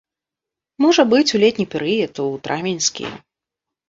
Можа быць, у летні перыяд, у травеньскі.